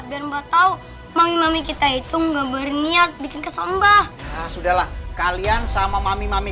biar mbak tahu mami mami kita itu enggak berniat bikin kesambah sudahlah kalian sama mami mami